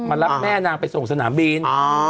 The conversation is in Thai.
รับแม่นางไปส่งสนามบิน